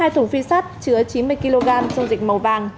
hai thùng phi sắt chứa chín mươi kg dung dịch màu vàng